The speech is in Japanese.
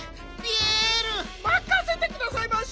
まかせてくださいまし。